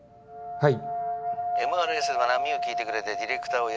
はい。